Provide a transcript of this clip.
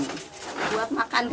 buat makan puasa